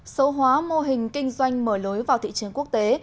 số hóa mô hình kinh doanh mở lối vào thị trường quốc tế